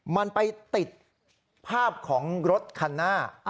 มันไปติดภาพของรถคันหน้า